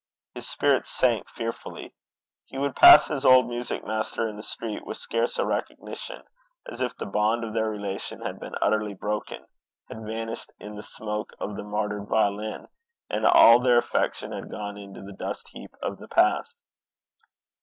His spirits sank fearfully. He would pass his old music master in the street with scarce a recognition, as if the bond of their relation had been utterly broken, had vanished in the smoke of the martyred violin, and all their affection had gone into the dust heap of the past.